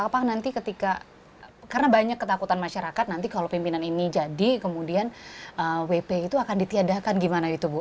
apa nanti ketika karena banyak ketakutan masyarakat nanti kalau pimpinan ini jadi kemudian wp itu akan ditiadakan gimana itu bu